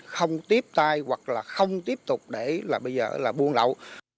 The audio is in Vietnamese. không tiếp tai hoặc là không tiếp tục để là bây giờ là bung lậu